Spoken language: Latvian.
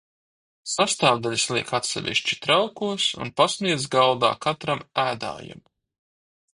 Sastāvdaļas liek atsevišķi traukos un pasniedz galdā katram ēdājam.